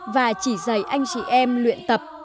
và chỉ dạy anh chị em luyện tập